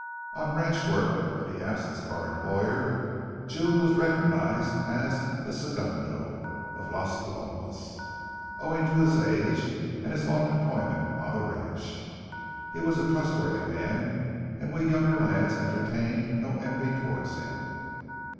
On ranch work, in the absence of our employer, June was recognized as the segundo of Los Palomas, owing to his age and his long employment on the ranch. He was a trustworthy man, and we younger lads entertained no envy towards him.